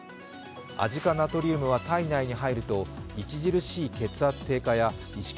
アジ化ナトリウムは体内に入ると著しい血圧低下や意識